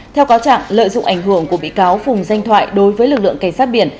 theo cáo trạng lợi dụng ảnh hưởng của bị cáo phùng danh thoại đối với lực lượng cảnh sát biển